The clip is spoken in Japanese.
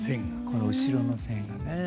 この後ろの線がね。